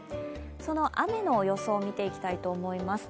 その雨の予想を見ていきたいと思います。